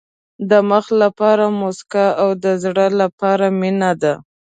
د مخ لپاره موسکا او د زړه لپاره مینه ده.